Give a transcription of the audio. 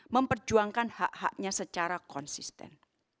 memperjuangkan hak haknya secara konsisten